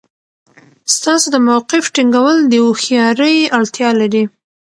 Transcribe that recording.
ستاسو د موقف ټینګول د هوښیارۍ اړتیا لري.